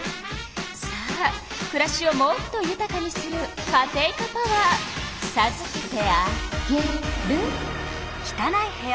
さあくらしをもっとゆたかにするカテイカパワーさずけてあげる。